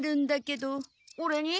オレに？